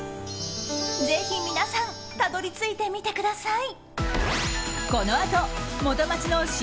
ぜひ皆さんたどり着いてみてください。